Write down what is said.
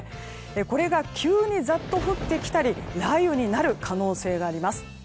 これが、急にザッと降ってきたり雷雨になる可能性があります。